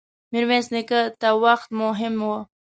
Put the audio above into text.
ميرويس نيکه ته وخت مهم و.